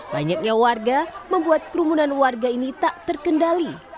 banyaknya warga membuat kerumunan warga ini tak terkendali